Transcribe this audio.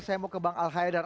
saya mau ke bang al haidar